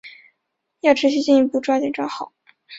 要持续进一步抓紧抓好